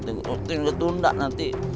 tungguin udah tunda nanti